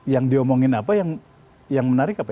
yang diomongin apa yang menarik apa